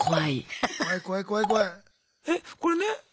これね